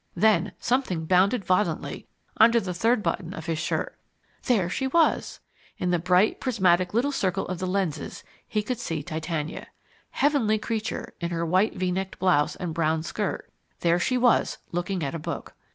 Then something bounded violently under the third button of his shirt. There she was! In the bright, prismatic little circle of the lenses he could see Titania. Heavenly creature, in her white V necked blouse and brown skirt, there she was looking at a book.